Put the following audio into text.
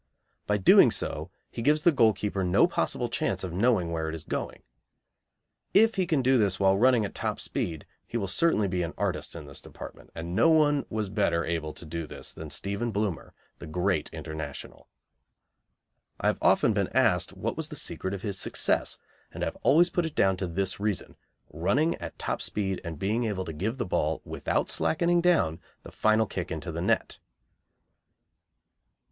By doing so he gives the goalkeeper no possible chance of knowing where it is going. If he can do this while running at top speed, he will certainly be an artist in this department, and no one was better able to do this than Stephen Bloomer, the great International. I have often been asked what was the secret of his success, and I have always put it down to this reason: running at top speed and being able to give the ball without slackening down the final kick into the net.